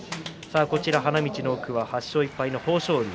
花道の奥は８勝６敗の豊昇龍。